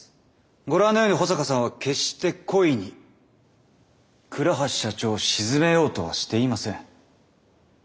ご覧のように保坂さんは決して故意に倉橋社長を沈めようとはしていません。